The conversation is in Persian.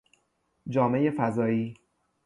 جامهی فضایی